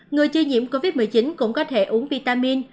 người chưa nhiễm covid một mươi chín cũng có thể uống vitamin